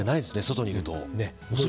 外にいると。